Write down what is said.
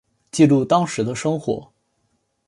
记录当时的生活